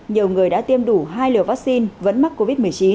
nhiều người đã tiêm đủ hai liều vaccine vẫn mắc covid một mươi chín